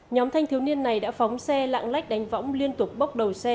nhóm thanh thiếu niên này đã phóng xe lạng lách đánh võng liên tục bốc đầu xe